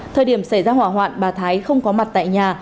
thời điểm xảy ra hỏa hoạn bà thái không có mặt tại nhà